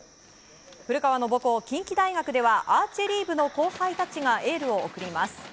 古川の母校・近畿大学ではアーチェリー部の後輩たちがエールを送ります。